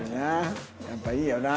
やっぱいいよな。